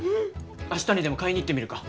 明日にでも買いに行ってみるか！